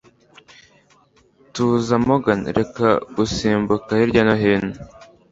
Tuza, Morgan! Reka gusimbuka hirya no hino